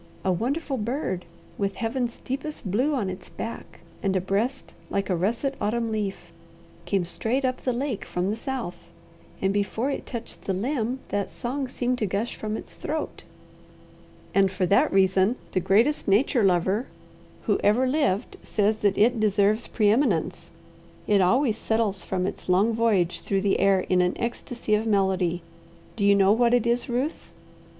A wonderful bird, with Heaven's deepest blue on its back and a breast like a russet autumn leaf, came straight up the lake from the south, and before it touched the limb that song seemed to gush from its throat." "And for that reason, the greatest nature lover who ever lived says that it 'deserves preeminence.' It always settles from its long voyage through the air in an ecstasy of melody. Do you know what it is, Ruth?"